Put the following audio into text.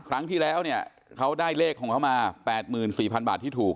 ครั้งที่แล้วเนี่ยเขาได้เลขของเขามา๘๔๐๐๐บาทที่ถูก